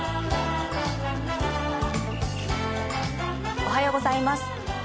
おはようございます。